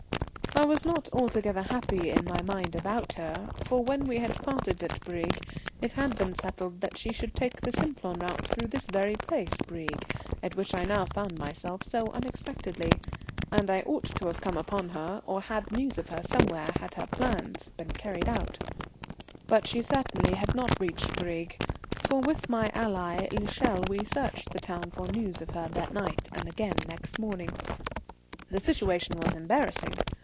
I was not altogether happy in my mind about her, for when we had parted at Brieg it had been settled that she should take the Simplon route through this very place Brieg, at which I now found myself so unexpectedly, and I ought to have come upon her or had news of her somewhere had her plans been carried out. She certainly had not reached Brieg, for with my ally l'Echelle we searched the town for news of her that night and again next morning. The situation was embarrassing.